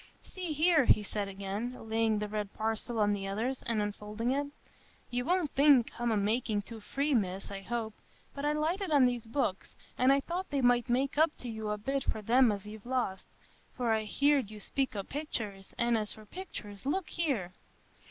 "See here!" he said again, laying the red parcel on the others and unfolding it; "you won't think I'm a makin' too free, Miss, I hope, but I lighted on these books, and I thought they might make up to you a bit for them as you've lost; for I heared you speak o' picturs,—an' as for picturs, look here!"